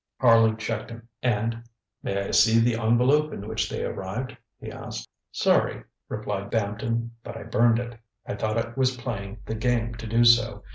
ŌĆØ Harley checked him, and: ŌĆ£May I see the envelope in which they arrived? ŌĆØ he asked. ŌĆ£Sorry, ŌĆØ replied Bampton, ŌĆ£but I burned it. I thought it was playing the game to do so.